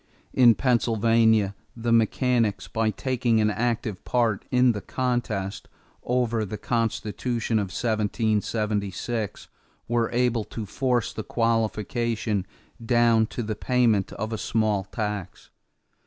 In Pennsylvania, the mechanics, by taking an active part in the contest over the Constitution of 1776, were able to force the qualification down to the payment of a small tax.